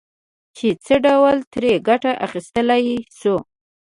چې څه ډول ترې ګټه اخيستلای شو.